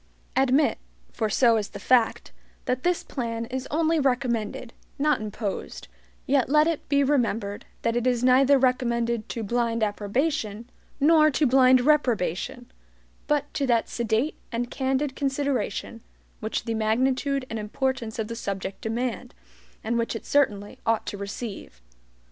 Admit, for so is the fact, that this plan is only RECOMMENDED, not imposed, yet let it be remembered that it is neither recommended to BLIND approbation, nor to BLIND reprobation; but to that sedate and candid consideration which the magnitude and importance of the subject demand, and which it certainly ought to receive.